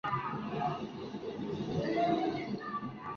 Lind hizo su debut televisivo en la serie "One Tree Hill".